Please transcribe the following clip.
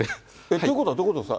ということは、どういうことですか？